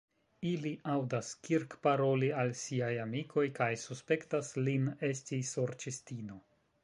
Ili aŭdas Kirk paroli al siaj amikoj kaj suspektas lin esti sorĉistino.